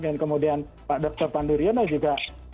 dan kemudian pak dr panduryona juga